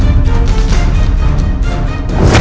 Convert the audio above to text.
terima kasih ayah